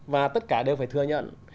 và tất cả đều phải thừa nhận